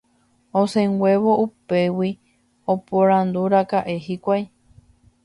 Osẽnguévo upégui oporandúraka'e hikuái